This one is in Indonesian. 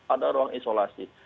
ada ruang isolasi